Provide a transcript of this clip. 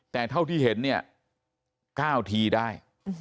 แต่เท่าที่เห็นเนี่ย๙ทีได้